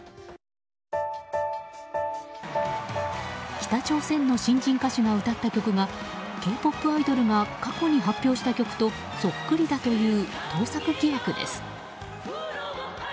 北朝鮮の新人歌手が歌った曲がＫ‐ＰＯＰアイドルが過去に発表した曲とそっくりだという盗作疑惑です。